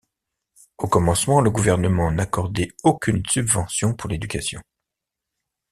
Au commencement, le gouvernement n’accordait aucune subvention pour l’éducation.